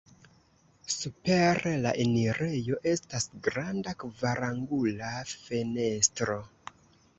Super la enirejo estas granda kvarangula fenestro.